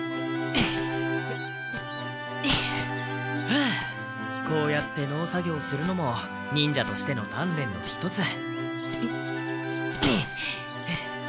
ふうこうやって農作業するのも忍者としてのたんれんの一つ。